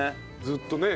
ずっとね。